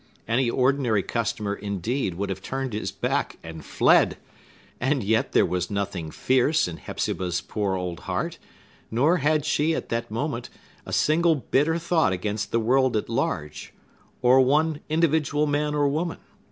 Any ordinary customer, indeed, would have turned his back and fled. And yet there was nothing fierce in Hepzibah's poor old heart; nor had she, at the moment, a single bitter thought against the world at large, or one individual man or woman.